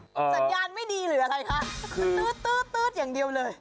สัญญาณไม่ดีหรืออะไรคะคือตื๊ดตื๊ดอย่างเดียวเลย